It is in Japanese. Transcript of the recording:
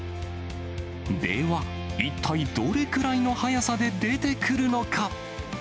では、一体どれくらいの早さで出てくるのか。